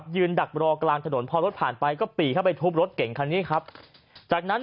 ดักรอกลางถนนพอรถผ่านไปก็ปีเข้าไปทุบรถเก่งคันนี้ครับจากนั้น